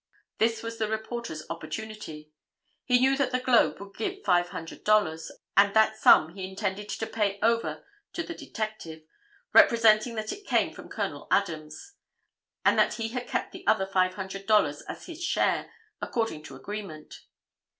This was the reporter's opportunity. He knew that the Globe would give $500 and that sum he intended to pay over to the detective, representing that it came from Col. Adams, and that he had kept the other $500 as his share, according to agreement.